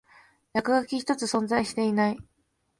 落書き一つ存在していない